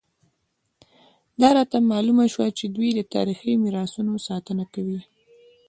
دا راته معلومه شوه چې دوی د تاریخي میراثونو ساتنه کوي.